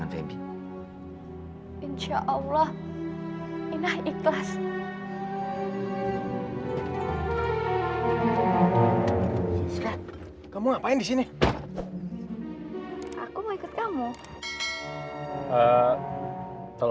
aku masih kangen sama kamu